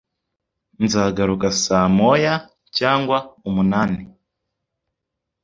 Nzagaruka saa moya cyangwa umunani.